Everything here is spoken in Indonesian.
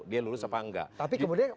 dia lulus apa enggak tapi kemudian